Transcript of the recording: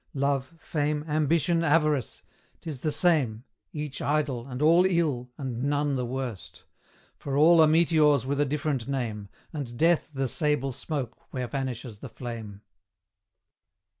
Love, fame, ambition, avarice 'tis the same Each idle, and all ill, and none the worst For all are meteors with a different name, And death the sable smoke where vanishes the flame.